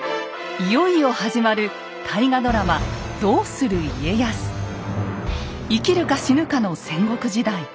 いよいよ始まる生きるか死ぬかの戦国時代。